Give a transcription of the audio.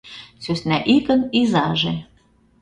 СӦСНАИГЫН ИЗАЖЕ